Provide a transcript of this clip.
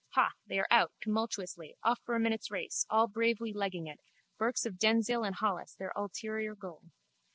Ha! They are out, tumultuously, off for a minute's race, all bravely legging it, Burke's of Denzille and Holles their ulterior goal.